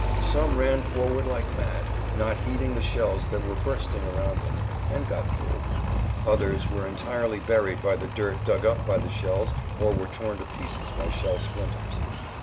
Some ran forward like mad, not heeding the shells that were bursting around them, and got[Pg 86] through. Others were entirely buried by the dirt dug up by the shells or were torn to pieces by shell splinters.